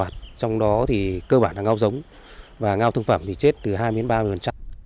trong đó thì cơ bản là ngao giống và ngao thương phẩm thì chết từ hai đến ba mươi